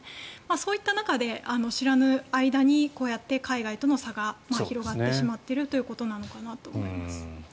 そういった中で知らぬ間にこうやって海外との差が広がってしまっているということなのかなと思います。